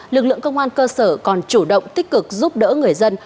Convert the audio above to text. lực lượng công an cơ sở còn chủ động tích cực giúp đỡ người dân